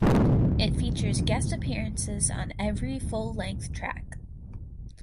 It features guest appearances on every full length track.